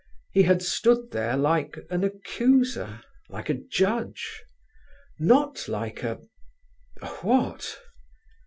He had stood there like an accuser, like a judge, not like a—a what?